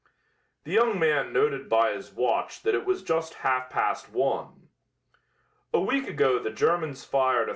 The young man noted by his watch that it was just half past one. "A week ago the Germans fired a